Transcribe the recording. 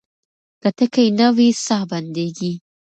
که ټکی نه وي ساه بندېږي.